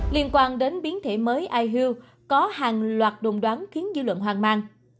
liên quan đến biến thể mới ihu có hàng loạt đồn đoán khiến dữ luận hoang mang